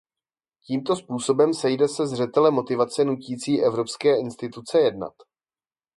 Tímto způsobem sejde ze zřetele motivace nutící evropské instituce jednat.